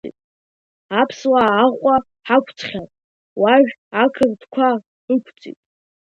Аԥсуаа Аҟәа ҳақәҵхьан, уажә ақырҭқәа ықәҵит.